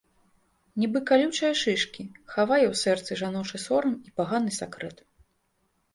Нібы калючыя шышкі, хавае ў сэрцы жаночы сорам і паганы сакрэт.